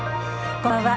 こんばんは。